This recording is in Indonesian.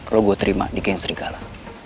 lo gue terima di ken serigala